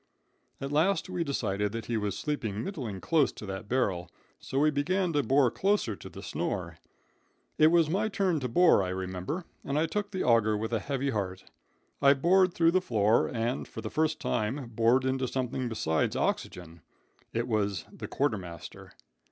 "At last we decided that he was sleeping middling close to that barrel, so we began to bore closer to the snore. It was my turn to bore, I remember, and I took the auger with a heavy heart. I bored through the floor, and for the first time bored into something besides oxygen. It was the quartermaster.